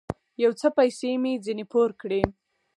يو څه پيسې مې ځنې پور کړې.